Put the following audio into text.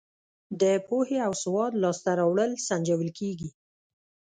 د پوهې او سواد لاس ته راوړل سنجول کیږي.